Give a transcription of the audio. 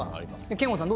憲剛さん